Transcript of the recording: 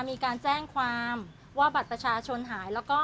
ไม่เคยรู้จักแต่เลยไม่เคยทราบ